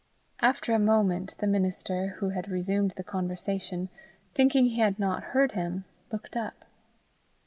After a moment, the minister, who had resumed the conversation, thinking he had not heard him, looked up.